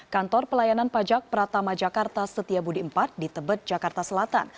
kantor pelayanan pajak pratama jakarta setia budi iv di tebet jakarta selatan